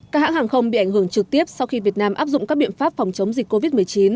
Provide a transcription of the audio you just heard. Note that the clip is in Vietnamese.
các hãng hàng không bị ảnh hưởng trực tiếp sau khi việt nam áp dụng các biện pháp phòng chống dịch covid một mươi chín